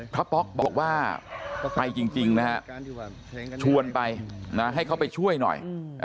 ป๊อกบอกว่าไปจริงนะฮะชวนไปนะให้เขาไปช่วยหน่อย